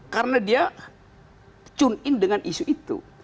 karena dia tune in dengan isu itu